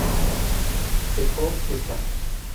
Dejó Sta.